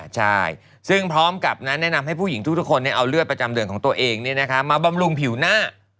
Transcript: ใช่ซึ่งพร้อมกับแนะนำให้ผู้หญิงทุกคนเอาเลือดประจำเดือนของตัวเองมาบำรุงผิวหน้า